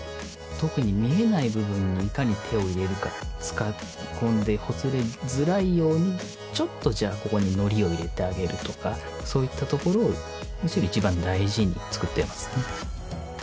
特に見えない部分にいかに手を入れるか使い込んでほつれづらいようにちょっとじゃあここにのりを入れてあげるとかそういったところを一番大事につくってますね